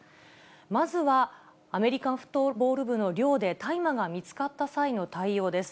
まずはアメリカンフットボール部の寮で大麻が見つかった際の対応です。